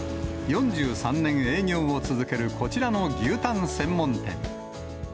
４３年営業を続けるこちらの牛タン専門店。